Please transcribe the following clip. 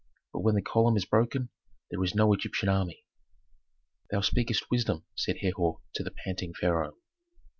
But when the column is broken, there is no Egyptian army." "Thou speakest wisdom," said Herhor to the panting pharaoh.